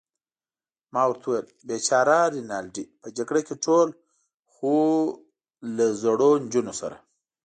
ما ورته وویل: بېچاره رینالډي، په جګړه کې ټول، خو له زړو نجونو سره.